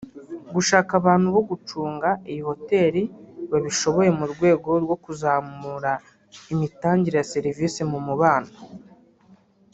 gushaka abantu bo gucunga iyi hotel babishoboye mu rwego rwo kuzamura imitangirwe ya servisi mu Umubano